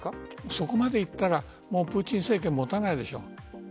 そこまでいったらプーチン政権、持たないでしょう。